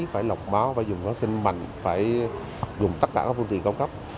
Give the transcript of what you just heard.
phải lọc máu phải dùng hóa sinh mạnh phải dùng tất cả các phương tiện công cấp